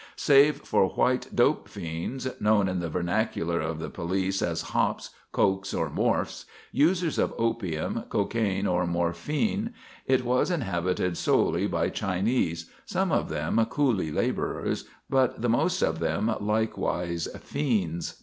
Save for white "dope fiends," known in the vernacular of the police as "hops," "cokes," or "morphs," users of opium, cocaine, or morphine, it was inhabited solely by Chinese, some of them coolie labourers, but the most of them likewise "fiends."